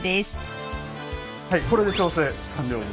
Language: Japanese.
はいこれで調整完了に。